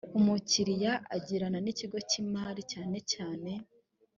umukiriya agirana n ikigo cy imari cyane cyane